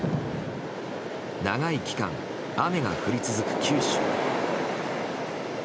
長い期間、雨が降り続く九州。